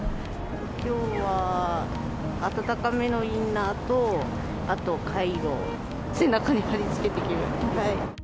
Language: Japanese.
きょうは暖かめのインナーと、あとカイロ、背中に貼り付けてきました。